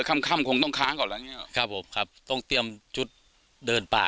ค่ำคงต้องค้างก่อนแล้วครับผมครับต้องเตรียมจุดเดินป่า